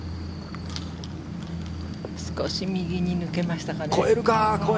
少し右に抜けましたかね。